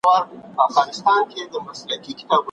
انټرنیټ د ټولنې په پرمختګ کې مهم رول لري.